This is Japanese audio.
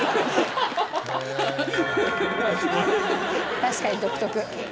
確かに独特。